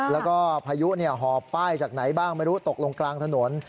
แล้วก็พายุหอบป้ายจากไหนบ้างไม่รู้ตกลงกลางถนน